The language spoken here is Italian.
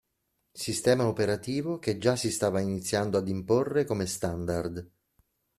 Sistema operativo che già si stava iniziando ad imporre come standard.